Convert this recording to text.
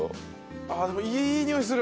あっでもいいにおいする！